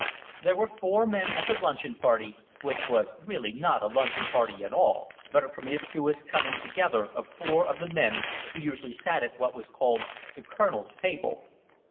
There were four men at the luncheon party, which was really not a luncheon party at all, but a promiscuous coming together of four of the men who usually sat at what was called the Colonel's table.